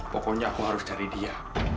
pokoknya aku harus cari dia